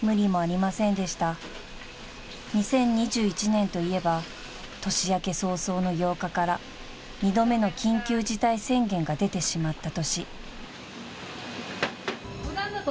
［２０２１年といえば年明け早々の８日から２度目の緊急事態宣言が出てしまった年］